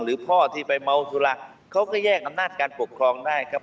หรือพ่อที่ไปเมาสุราเขาก็แย่งอำนาจการปกครองได้ครับ